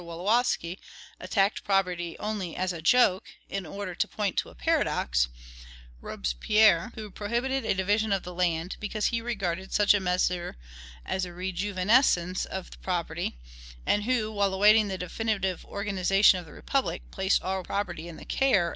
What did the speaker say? Wolowski, attacked property only AS A JOKE, and in order to point a paradox; Robespierre, who prohibited a division of the land, because he regarded such a measure as a rejuvenescence of property, and who, while awaiting the definitive organization of the republic, placed all property in the care??